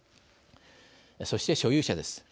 そして、所有者です。